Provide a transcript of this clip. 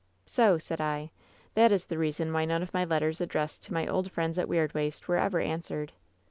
" *So,' said I, ^that is the reason why none of my let ters addressed to my old friends at Weirdwaste were ever answered.